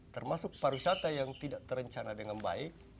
termasuk pariwisata yang tidak terencana dengan baik